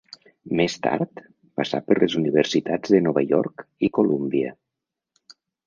Més tard, passà per les Universitats de Nova York i Columbia.